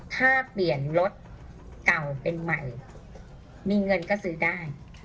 ถ้าเปลี่ยนรถเก่าเป็นใหม่มีเงินก็ซื้อได้